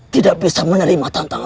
tidak bisa menyebabkan tangan radin